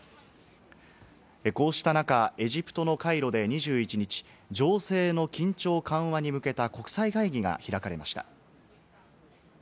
こうした中、エジプトのカイロで２１日、情勢の緊張緩和に向けた国際会議が開かれました。